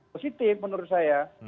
positif menurut saya